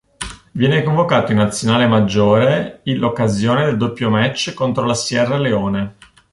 Viene convocato in nazionale maggiore il occasione del doppio match contro la Sierra Leone.